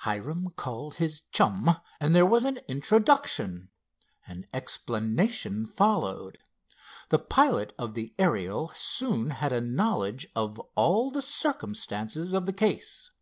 Hiram called his chum and there was an introduction. An explanation followed. The pilot of the Ariel soon had a knowledge of all the circumstances of the case.